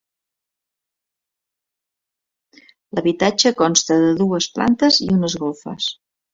L'habitatge consta de dues plantes i unes golfes.